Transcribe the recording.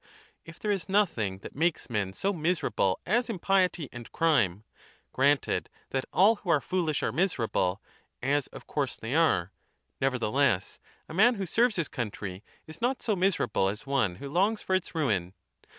If tliere is nothing that makes men so miserable as impiety and crime, granted that alt who are foolish are miserable, as of course they are, neverthele.ss a man who serves his country is not so miserable as one who longs for its ruin.